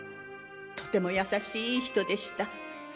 とても優しいいい人でした。